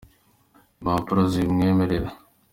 impapuro zimwemerera.